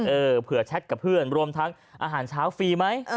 เออเผื่อแชทกับเพื่อนรวมทั้งอาหารเช้าฟรีไหม